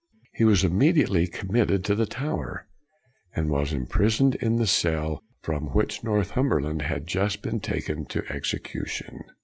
1 He was immediately committed to the Tower, and was imprisoned in the cell from which Northumberland had just been taken to execution.